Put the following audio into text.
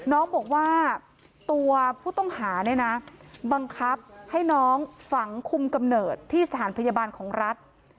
น้องบอกว่าตัวผู้ต้องหาเนี่ยนะบังคับให้น้องฝังคุมกำเนิดที่สถานพยาบาลของรัฐ